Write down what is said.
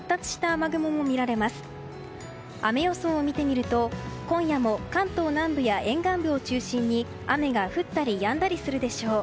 雨予想を見てみると今夜も関東南部や沿岸部を中心に雨が降ったりやんだりするでしょう。